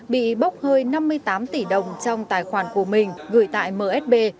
bị bốc hơi năm mươi tám tỷ đồng trong tài khoản của mình gửi tại msb